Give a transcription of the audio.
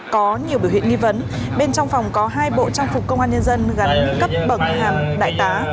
có nhiều biểu hiện nghi vấn bên trong phòng có hai bộ trang phục công an nhân dân gắn cấp bậc hàm đại tá